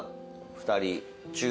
２人。